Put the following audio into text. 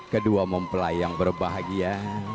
kedua mempelai yang berbahagia